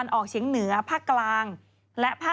พี่ชอบแซงไหลทางอะเนาะ